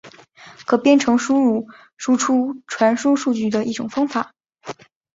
可编程输入输出传输数据的一种方法。